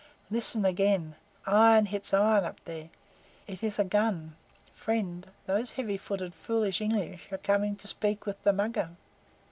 Listen again! Iron hits iron up there! It is a gun! Friend, those heavy footed, foolish English are coming to speak with the Mugger."